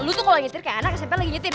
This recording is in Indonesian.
lo tuh kalo nyetir kayak anak smp lagi nyetir